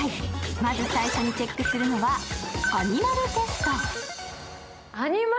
まず最初にチェクするのは、アニマルテスト。